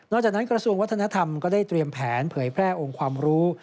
จากนั้นกระทรวงวัฒนธรรมก็ได้เตรียมแผนเผยแพร่องค์ความรู้